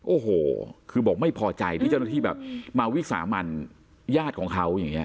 โอ้โหคือบอกไม่พอใจที่เจ้าหน้าที่แบบมาวิสามันญาติของเขาอย่างนี้